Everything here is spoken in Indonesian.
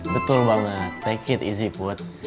betul banget take it easy put